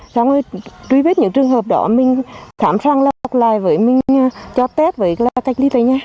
xong rồi truy vết những trường hợp đó mình thảm sàng lọc lại với mình cho test với cách lý tài nha